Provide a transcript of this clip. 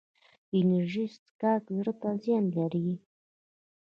انرژي څښاک زړه ته زیان لري